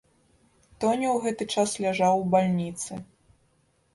Тоня ў гэты час ляжаў у бальніцы.